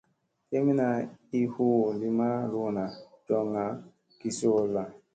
Kemina ii hu Lima luuna, joŋga, gi soolla.